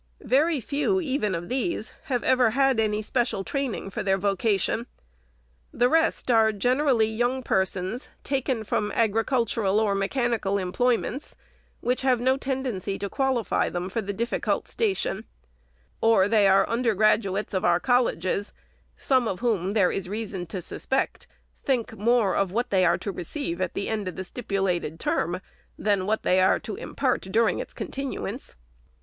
Very few even of these have ever had any special training for their voca tion. The rest are generally young persons, taken from agricultural or mechanical employments, which have 110 tendency to qualify them for the difficult station ; or they are undergraduates of our colleges, some of whom, there is reason to suspect, think more of what they are to re ceive at the end of the stipulated term, than what they are to impart during its continuance.